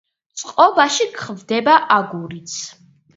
წყობაში გვხვდება აგურიც.